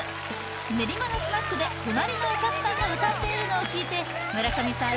練馬のスナックで隣のお客さんが歌っているのを聴いて村上さん